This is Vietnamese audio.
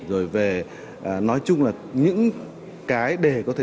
rồi về nói chung là những cái để có thể